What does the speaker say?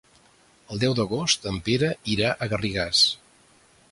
El deu d'agost en Pere irà a Garrigàs.